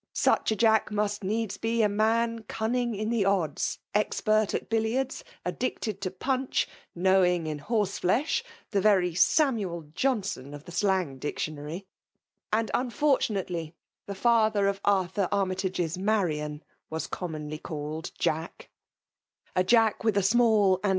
Such a Jack must needs be a man cunning in the odds, expert at billiards, ad dicted to punch, knowing in horseflesh, the very Samuel Johnson of the slang dictionary : and unfortunately, the father of Arthur Ar mytage*s Marian was commonly called *' Jack *' liis.'